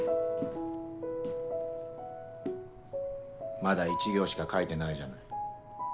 まだ１行しか書いてないじゃない。